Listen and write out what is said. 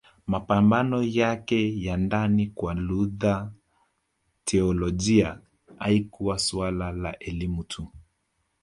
Mapambano yake ya ndani Kwa Luther teolojia haikuwa suala la elimu tu